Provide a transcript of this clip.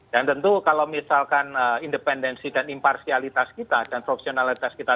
dan tentu kalau misalkan independensi dan imparsialitas kita dan profesionalitas kita tidak dipercaya